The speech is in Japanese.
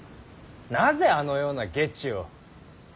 なぜあのような下知を。